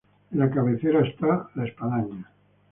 En la cabecera está la espadaña.